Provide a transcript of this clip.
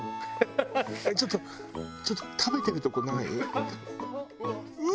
えっちょっとちょっと食べてるとこない？